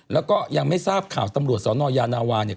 แล้วก็ยังไม่ทราบข่าวตำรวจสนยานาวาเนี่ย